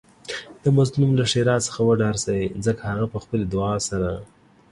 د مظلوم له ښیرا څخه وډار شئ ځکه هغه په خپلې دعاء سره